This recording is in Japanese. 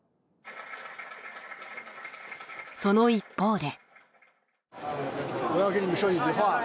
その一方で。